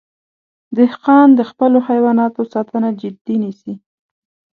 دهقان د خپلو حیواناتو ساتنه جدي نیسي.